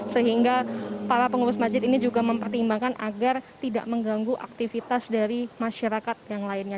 sehingga para pengurus masjid ini juga mempertimbangkan agar tidak mengganggu aktivitas dari masyarakat yang lainnya